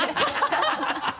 ハハハ